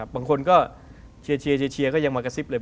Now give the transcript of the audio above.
บางคนก็เชียร์ก็ยังมากระซิบเลย